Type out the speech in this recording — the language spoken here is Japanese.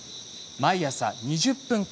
毎朝２０分間。